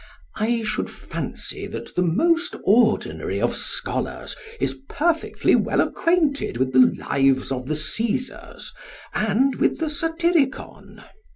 I should fancy that the most ordinary of scholars is perfectly well acquainted with the "Lives of the Cæsars" and with the "Satyricon."